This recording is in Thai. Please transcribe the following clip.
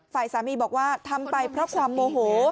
ฝ่ายสามีบอกว่าทำไปเพราะความโมโห